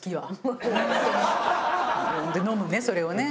飲むねそれをね